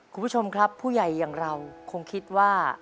คุณผู้ชมครับผู้ใหญ่อย่างเราคงคิดว่า